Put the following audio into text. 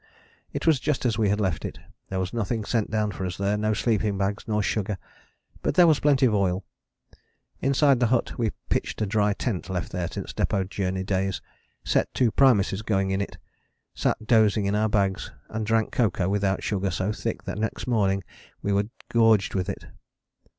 It was just as we had left it: there was nothing sent down for us there no sleeping bags, nor sugar: but there was plenty of oil. Inside the hut we pitched a dry tent left there since Depôt Journey days, set two primuses going in it; sat dozing on our bags; and drank cocoa without sugar so thick that next morning we were gorged with it.